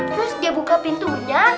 terus dia buka pintunya